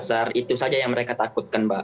iya mbak itu saja yang mereka takutkan mbak